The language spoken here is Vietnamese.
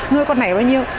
ngôi con này là bao nhiêu